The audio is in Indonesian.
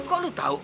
kok lo tau